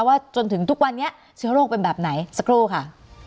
ว่าจนถึงทุกวันนี้เชื้อโรคเป็นแบบไหนสักครู่ค่ะ